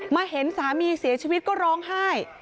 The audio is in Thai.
เห็นสามีเสียชีวิตก็ร้องไห้